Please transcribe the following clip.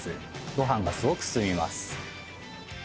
ご飯がすごく進みます。